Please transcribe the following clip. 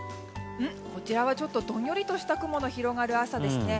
こちらはちょっとどんよりとした雲の広がる朝ですね。